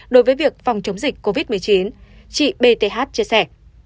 đối với việc phòng chống dịch covid một mươi chín chị bth chia sẻ